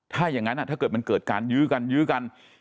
ถ้าอย่างนั้นถ้าเกิดมันเกิดการยื้อกันยื้อกัน